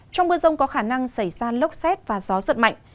trong mưa rông có khả năng xảy ra lốc xét và gió giật mạnh